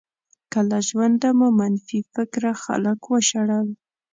که له ژونده مو منفي فکره خلک وشړل.